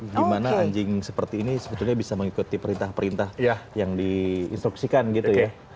gimana anjing seperti ini sebetulnya bisa mengikuti perintah perintah yang diinstruksikan gitu ya